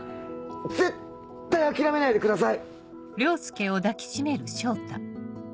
絶対諦めないでください！